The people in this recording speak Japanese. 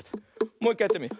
もういっかいやってみるよ。